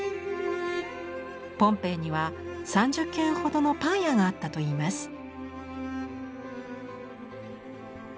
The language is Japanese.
ポンペイには３０軒ほどのパン屋があったといいます。